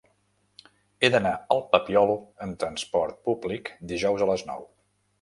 He d'anar al Papiol amb trasport públic dijous a les nou.